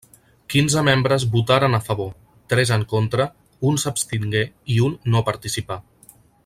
Quinze membres votaren a favor, tres en contra, un s'abstingué i un no participà.